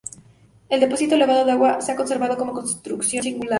El depósito elevado de agua se ha conservado como construcción singular.